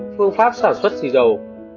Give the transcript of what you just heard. phương pháp sản xuất xì dầu